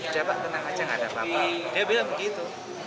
dia bilang begitu